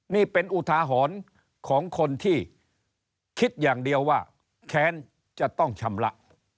นี่เป็นอุทาหรณ์ของคนที่คิดอย่างเดียวว่าแค้นจะต้องชำระ